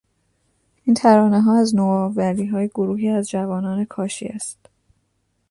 این ترانهها از نوآوریهای گروهی از جوانان کاشی است.